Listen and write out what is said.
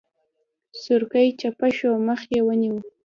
سورکی چپه شو مخ يې ونيو.